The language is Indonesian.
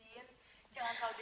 hai jin jangan kau lupa ya